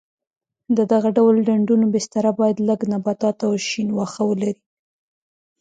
د دغه ډول ډنډونو بستره باید لږ نباتات او شین واښه ولري.